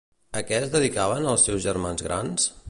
A què es dedicaven els seus germans grans?